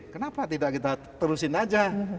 kenapa tidak kita terusin aja